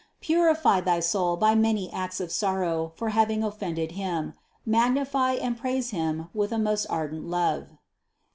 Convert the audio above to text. Purify thy soul by many acts of sorrow for having offended Him, magnify and praise Him with a most ardent love.